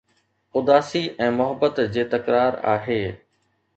اداسي ۽ محبت جي تڪرار آهي